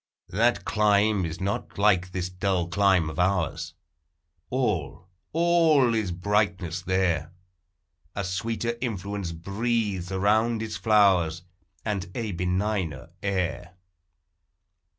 That clime is not like this dull clime of ours; All, all is brightness there; A sweeter influence breathes around its flowers, And a benigner air.